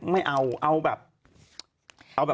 ไม่เอาเอาแบบ